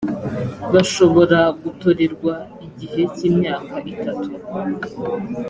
bashobora gutorerwa igihe cy’imyaka itatu